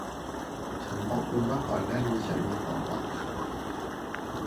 ฉันบอกคุณว่าก่อนหน้านี้ฉันมีความหวัง